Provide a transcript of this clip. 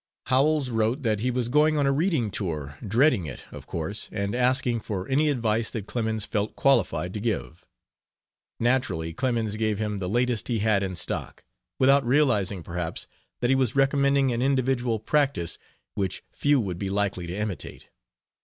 Howells wrote that he was going on a reading tour dreading it, of course and asking for any advice that Clemens felt qualified to give. Naturally, Clemens gave him the latest he had in stock, without realizing, perhaps, that he was recommending an individual practice which few would be likely to imitate.